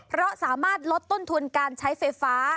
เพราะสามารถลดต้นทุนการใช้ไฟฟ้า